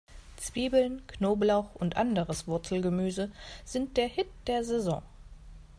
Zwiebeln, Knoblauch und anderes Wurzelgemüse sind der Hit der Saison.